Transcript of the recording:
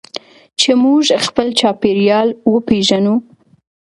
چې موږ خپل چاپیریال وپیژنو.